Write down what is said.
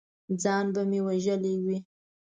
ځان به مې وژلی وي!